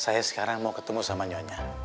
saya sekarang mau ketemu sama nyonya